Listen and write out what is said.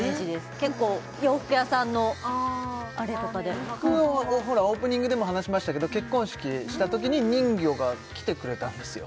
結構洋服屋さんのあれとかで僕はほらオープニングでも話しましたけど結婚式したときに人魚が来てくれたんですよ